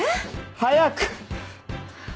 早く！